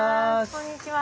こんにちは。